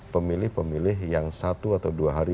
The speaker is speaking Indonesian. pemilih pemilih yang satu atau dua hari